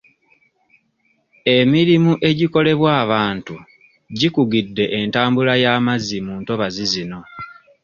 Emirimu egikolebwa abantu gikugidde entambula y'amazzi mu ntobazi zino.